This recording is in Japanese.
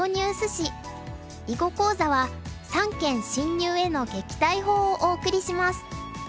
囲碁講座は「三間侵入への撃退法」をお送りします。